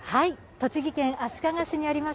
栃木県足利市にあります